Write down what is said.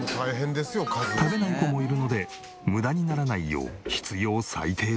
食べない子もいるので無駄にならないよう必要最低分。